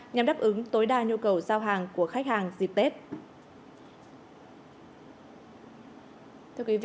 nhằm đáp ứng tối đa nhu cầu giao hàng của khách hàng dịp tết